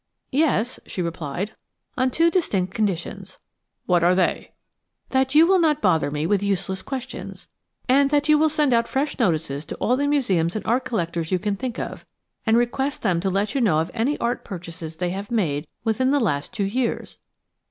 "Yes," she replied, "on two distinct conditions." "What are they?" "That you will not bother me with useless questions, and that you will send out fresh notices to all the museums and art collectors you can think of, and request them to let you know of any art purchases they may have made within the last two years."